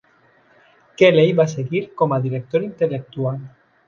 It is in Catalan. Kelley va seguir com a Director Intel·lectual.